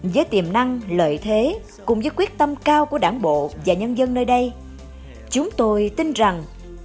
với tiềm năng lợi thế cùng với quyết tâm cao của đảng bộ và nhân dân nơi đây chúng tôi tin rằng